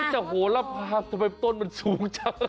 แต่โหลภาคทำไมต้นมันสูงจัง